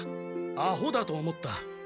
アホだと思った。